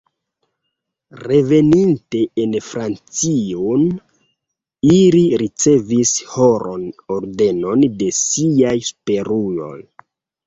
Reveninte en Francion, ili ricevis honor-ordenon de siaj superuloj.